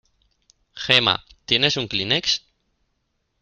Gemma, ¿tienes un kleenex?